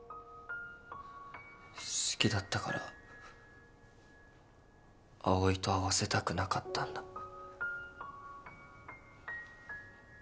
好きだったから葵と会わせたくなかったんだ。